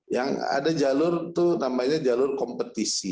yang ada jalur itu namanya jalur kompetisi